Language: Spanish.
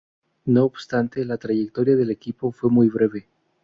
No obstante, la trayectoria del equipo fue muy breve.